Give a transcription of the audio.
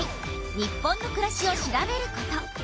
日本のくらしを調べること。